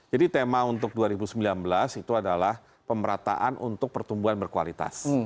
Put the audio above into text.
jadi tema untuk dua ribu sembilan belas itu adalah pemerataan untuk pertumbuhan berkualitas